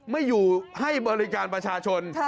ไม่อยู่ให้บริการประชาชน